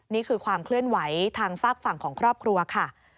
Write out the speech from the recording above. นี่คือความเคลื่อนไหวทางฝากฝั่งของครอบครัวค่ะ